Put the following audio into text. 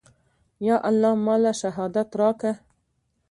يا الله ما له شهادت راکه.